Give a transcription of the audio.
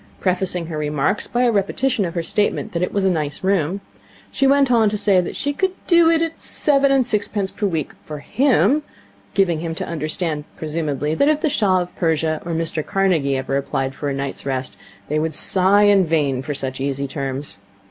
Prefacing her remarks by a repetition of her statement that it was a nice room, she went on to say that she could 'do' it at seven and sixpence per week 'for him' giving him to understand, presumably, that, if the Shah of Persia or Mr Carnegie ever applied for a night's rest, they would sigh in vain for such easy terms.